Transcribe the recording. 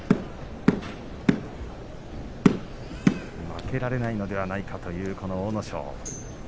負けられないのではないかと言う阿武咲